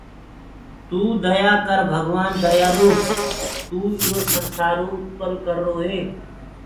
تو ديآ ڀگوآن ديآلو تو ايرو سنسآرو اُتپن ڪروئي